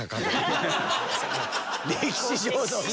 歴史上の人物。